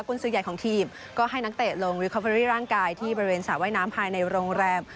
คุณซื้อใหญ่ของทีมก็ให้นักเตะลงริคอเบอรี่ร่างกายที่บริเวณสระว่ายน้ำภายในโรงแรม